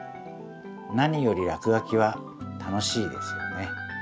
何よりらくがきは楽しいですよね。